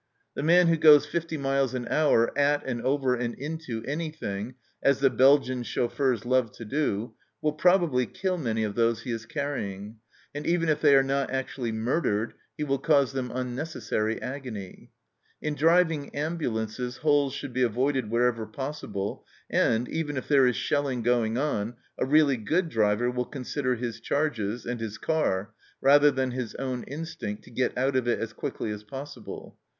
The man who goes fifty miles an hour at and over and into any thing, as the Belgian chauffeurs love to do, will probably kill many of those he is carrying, and even if they are not actually murdered, he will cause them unnecessary agony. In driving ambu lances holes should be avoided wherever possible, and, even if there is shelling going on, a really good driver will consider his charges and his car rather than his own instinct to get out of it as quickly as possible.